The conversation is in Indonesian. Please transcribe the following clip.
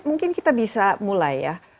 mungkin kita bisa mulai ya